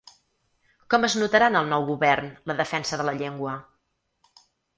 Com es notarà en el nou govern la defensa de la llengua?